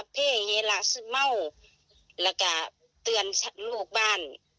สมมุติว่าเรื่องของผู้นำการพิจกฎหมาย